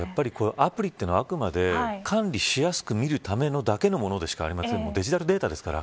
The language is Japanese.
アプリっていうのは、あくまで管理しやすく見るためのものでしかありませんのでデジタルデータですから。